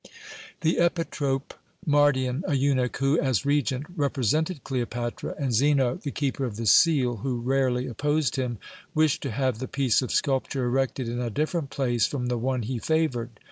The epitrop Mardion, a eunuch, who as Regent, represented Cleopatra; and Zeno, the Keeper of the Seal, who rarely opposed him, wished to have the piece of sculpture erected in a different place from the one he favoured.